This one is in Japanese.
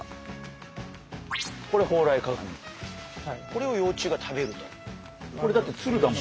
これを幼虫が食べると。